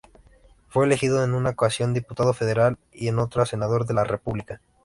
Fue elegido en una ocasión diputado federal y en otra senador de la República.